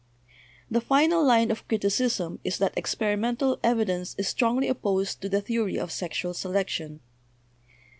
The final line of criticism is that experimental evi dence is strongly opposed to the theory of sexual selec tion.